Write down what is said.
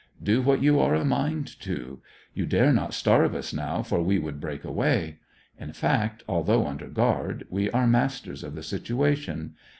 Do what you are a mind to. You dare not starve us now^ for we would break away. In fact, although under guard, we are masters of the situation.